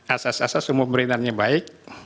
asas asas umum pemerintah yang baik